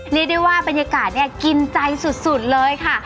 เรียกได้ว่าบรรยากาศเนี่ยกินใจสุดเลยค่ะ